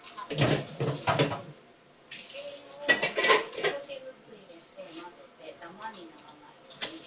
少しずつ入れて混ぜてダマにならないように。